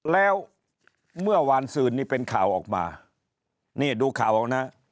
แล้วเมื่อวานซืนนี่เป็นข่าวออกมานี่ดูข่าวออกนะ